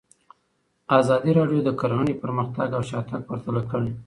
ازادي راډیو د کرهنه پرمختګ او شاتګ پرتله کړی.